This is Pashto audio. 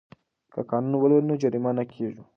که قانون ولولو نو جریمه نه کیږو.